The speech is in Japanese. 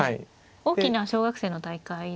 大きな小学生の大会ですよね。